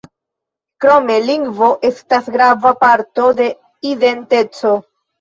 Krome, lingvo estas grava parto de identeco.